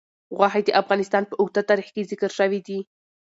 غوښې د افغانستان په اوږده تاریخ کې ذکر شوي دي.